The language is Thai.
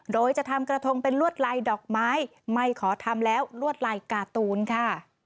โดยจะทำกระทงเป็นลวดลายดอกไม้ไม่ขอทำแล้วลวดลายการ์ตูนค่ะ